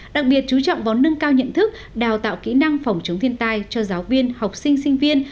đặc biệt chú trọng vào nâng cao nhận thức đào tạo kỹ năng phòng chống thiên tai cho giáo viên học sinh sinh viên